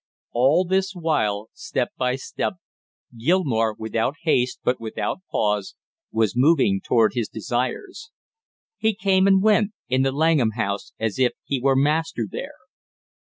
All this while, step by step, Gilmore, without haste but without pause, was moving toward his desires. He came and went in the Langham house as if he were master there.